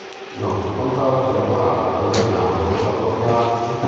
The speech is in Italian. Inoltre contava di lavorare guadagnando con la propria arte.